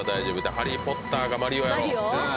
ハリー・ポッターかマリオやろ。